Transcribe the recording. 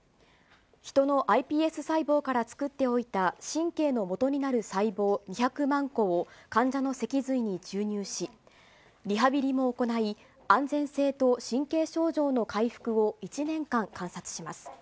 ヒトのｉＰＳ細胞から作っておいた、神経のもとになる細胞２００万個を、患者の脊髄に注入し、リハビリも行い、安全性と神経症状の回復を１年間観察します。